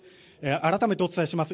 改めてお伝えします。